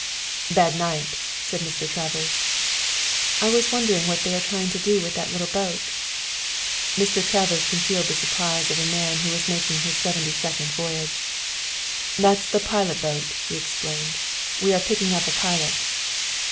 "Bad night," said Mr. Travers. "I was wondering what they are trying to do with that little boat." Mr. Travers concealed the surprise of a man who was making his seventy second voyage. "That's the pilot boat," he explained. "We are picking up a pilot."